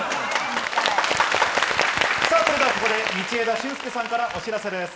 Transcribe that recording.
さぁそれでは、ここで道枝駿佑さんからお知らせです。